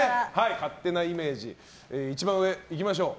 勝手なイメージ１番上、いきましょう。